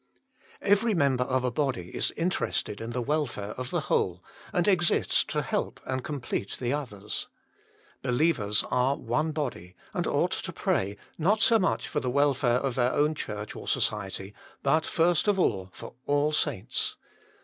Every member of a body is interested in the welfare of the whole, and exists to help and complete the others. Believers are one body, and ought to pray, not so much for the welfare of their own church or society, but, first of all, for all saints.